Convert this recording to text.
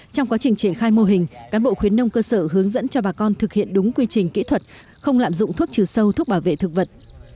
trong quá trình triển khai mô hình cán bộ khuyến nông cơ sở hướng dẫn cho bà con thực hiện đúng quy trình kỹ thuật không lạm dụng thuốc trừ sâu thuốc bảo vệ thực vật